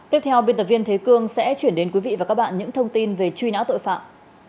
tiếp theo biên tập viên thế cương sẽ chuyển đến quý vị và các bạn những thông tin về truy nã tội phạm